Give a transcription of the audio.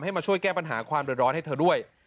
ให้มาช่วยแก้ปัญหาความร้อนให้เธอด้วย